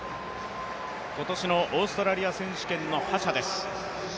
今年のオーストラリア選手権の覇者です。